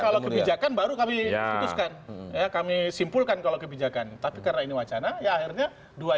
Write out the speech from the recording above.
kalau kebijakan baru kami putuskan ya kami simpulkan kalau kebijakan tapi karena ini wacana ya akhirnya dua